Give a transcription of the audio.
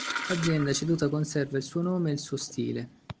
L'azienda ceduta conserva il suo nome e il suo stile.